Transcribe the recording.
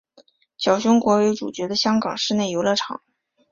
小熊国为主角的香港室内游乐场。